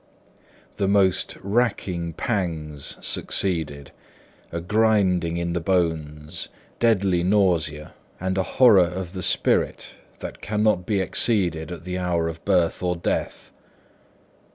The most racking pangs succeeded: a grinding in the bones, deadly nausea, and a horror of the spirit that cannot be exceeded at the hour of birth or death.